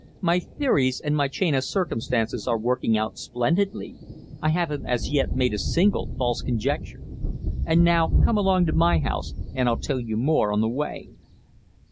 My theories and my chain of circumstances are working out splendidly I haven't as yet made a single false conjecture. And now come along to my house, and I'll tell you more on the way."